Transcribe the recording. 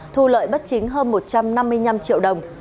thu lợi bất chính hơn một trăm năm mươi năm triệu đồng